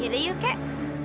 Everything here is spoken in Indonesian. yaudah yuk kakek